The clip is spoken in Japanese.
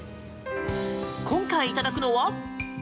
今回いただくのは。